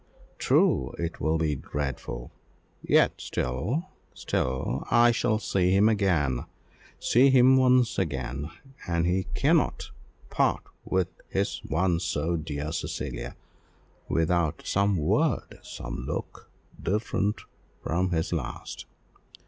"True, it will be dreadful, yet still still I shall see him again, see him once again, and he cannot part with his once so dear Cecilia without some word some look, different from his last."